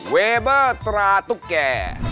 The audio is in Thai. เวเบอร์ตราตุ๊กแก่